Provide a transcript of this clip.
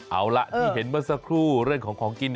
เอาล่ะที่เห็นเมื่อสักครู่เรื่องของของกิน